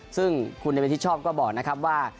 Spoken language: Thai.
ซึ่งคุณเนวินที่ชอบก็บอกนะครับว่า